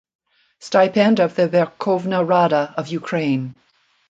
Stipend of the Verkhovna Rada of Ukraine.